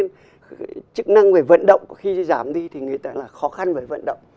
cho nên chức năng về vận động khi giảm đi thì người ta không phải khó khăn với vận động